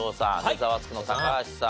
ザワつく！の高橋さん。